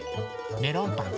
メロンパン？